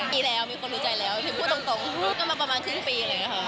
ปีแล้วมีคนรู้ใจแล้วถึงพูดตรงพูดกันมาประมาณครึ่งปีเลยค่ะ